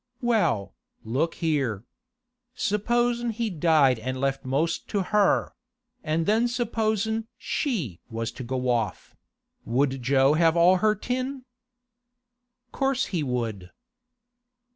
'Well, look here. Supposin' he died an' left most to her; an' then supposin' she was to go off; would Jo have all her tin?' 'Course he would.